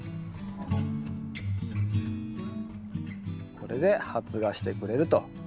これで発芽してくれると。